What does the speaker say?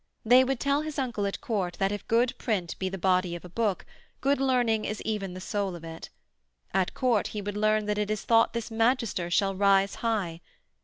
They would tell his uncle at Court that if good print be the body of a book, good learning is even the soul of it. At Court he would learn that it is thought this magister shall rise high.